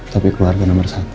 tapi keluarga nomor satu